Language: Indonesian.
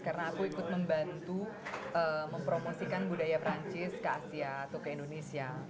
karena aku ikut membantu mempromosikan budaya perancis ke asia atau ke indonesia